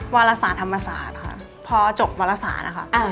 วารสาทธรรมศาสตร์ครับพอจบวารสาธิ์นะคะ